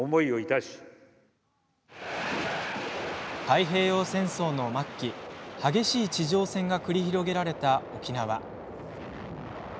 太平洋戦争の末期激しい地上戦が繰り広げられた沖縄。